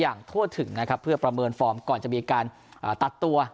ทั่วถึงนะครับเพื่อประเมินฟอร์มก่อนจะมีการตัดตัว